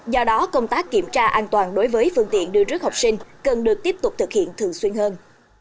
do đó công tác kiểm tra an toàn đối với phương tiện đưa rước học sinh cần được tiếp tục thực hiện thường xuyên hơn